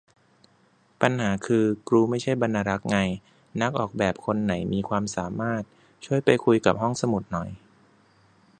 ปัญหาคือ กรูไม่ใช่บรรณารักษ์ไง นักออกแบบคนไหนมีความสามารถ ช่วยไปคุยกับห้องสมุดหน่อย